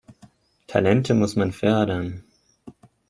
Talente muss man fördern.